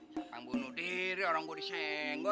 bukan bunuh diri orang boleh disenggol